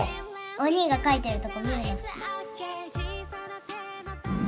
お兄が描いてるとこ見るの好き。